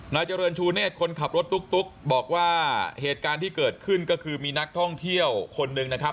เจริญชูเนธคนขับรถตุ๊กบอกว่าเหตุการณ์ที่เกิดขึ้นก็คือมีนักท่องเที่ยวคนหนึ่งนะครับ